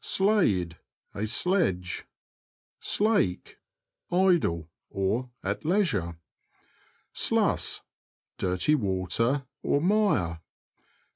Slade. — A sledge. Slake. — Idle; at leisure. Sluss. — Dirty water, or mire.